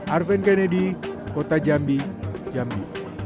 arven kennedy kota jambi jambi